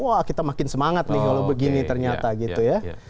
wah kita makin semangat nih kalau begini ternyata gitu ya